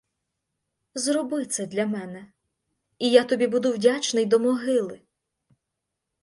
Зроби це для мене і я тобі буду вдячний до могили.